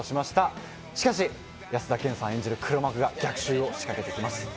しかし安田顕さん演じる黒幕が逆襲を仕掛けてきます。